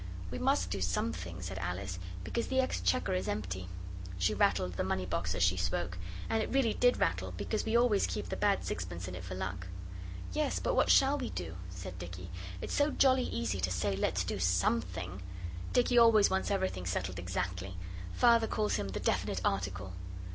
'We must do something,' said Alice, 'because the exchequer is empty.' She rattled the money box as she spoke, and it really did rattle because we always keep the bad sixpence in it for luck. 'Yes but what shall we do?' said Dicky. 'It's so jolly easy to say let's do something.' Dicky always wants everything settled exactly. Father calls him the Definite Article.